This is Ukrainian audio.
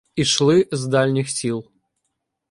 Ішли з дальніх сіл.